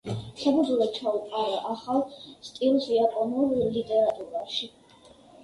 საფუძველი ჩაუყარა ახალ სტილს იაპონურ ლიტერატურაში.